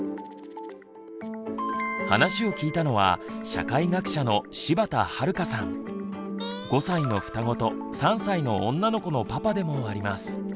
話を聞いたのは５歳の双子と３歳の女の子のパパでもあります。